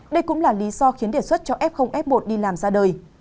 đây cũng là lý do khiến đề xuất cho f f một đi làm ra đời